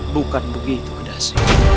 bukan begitu kudas